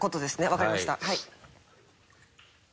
わかりました。